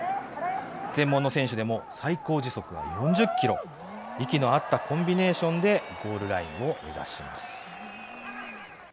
全盲の選手でも最高時速は４０キロ、息の合ったコンビネーションで、ゴールラインを目指します。